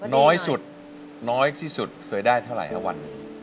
น้อยสุดน้อยสุดเคยได้เท่าไรฮะวันนี้